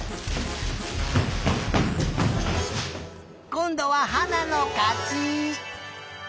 こんどは花のかち！